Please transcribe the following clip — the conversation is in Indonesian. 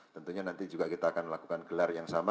tentunya nanti juga kita akan melakukan gelar yang sama